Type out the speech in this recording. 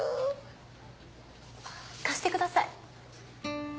貸してください。